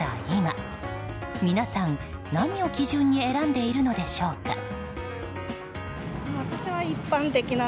今皆さん、何を基準に選んでいるのでしょうか。